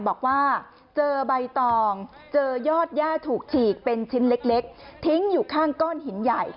บอกว่าเจอใบตองเจอยอดย่าถูกฉีกเป็นชิ้นเล็กทิ้งอยู่ข้างก้อนหินใหญ่